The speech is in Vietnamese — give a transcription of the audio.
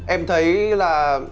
em thấy là